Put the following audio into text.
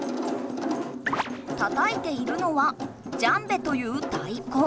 たたいているのは「ジャンベ」というたいこ。